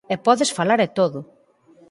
¡E podes falar e todo!